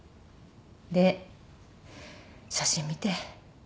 で写真見て。